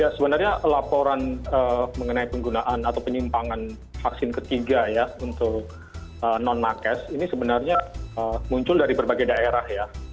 sebenarnya laporan mengenai penggunaan atau penyimpangan vaksin ketiga untuk non makes ini sebenarnya muncul dari berbagai daerah